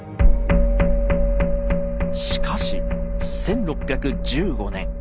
しかし１６１５年。